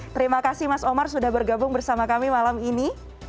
terima kasih mas omar sudah bergabung bersama kami malam ini